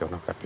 di dalam kpu